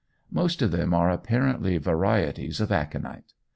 Most of them are apparently varieties of aconite.